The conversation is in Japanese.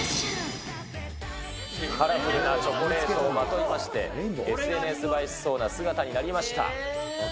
カラフルなチョコレートをまといまして、ＳＮＳ映えしそうな姿になりました。